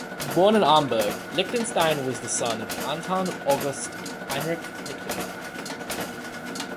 Born in Hamburg, Lichtenstein was the son of Anton August Heinrich Lichtenstein.